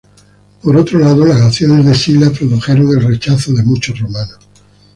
Por otro lado, las acciones de Sila produjeron el rechazo de muchos romanos.